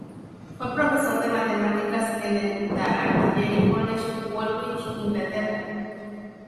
Fue profesor de matemáticas en el The Artillery College, Woolwich, Inglaterra.